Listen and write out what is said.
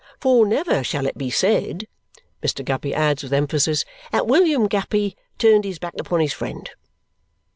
"For never shall it be said," Mr. Guppy adds with emphasis, "that William Guppy turned his back upon his friend!"